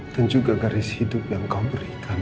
dan juga garis hidup yang kau berikan